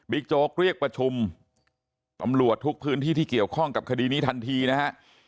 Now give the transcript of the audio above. โจ๊กเรียกประชุมตำรวจทุกพื้นที่ที่เกี่ยวข้องกับคดีนี้ทันทีนะฮะ